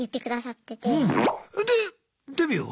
でデビューは？